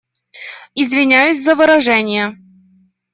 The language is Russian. Извиняюсь за выражения.